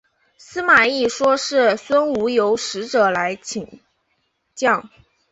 司马懿说是孙吴有使者来请降。